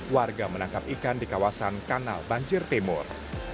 warga menangkap ikan di kawasan kanal banjir timur